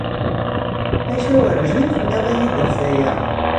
Maca werjin tenniḍ-iyi-d ɣef waya!